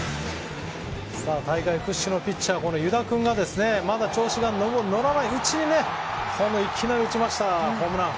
大会屈指のピッチャー湯田君がまだ調子が乗らないうちにいきなり打ちましたホームラン。